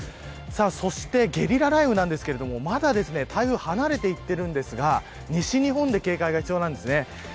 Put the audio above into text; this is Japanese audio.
そしてゲリラ雷雨なんですがまだ台風離れていっているんですが西日本で警戒が必要なんですね。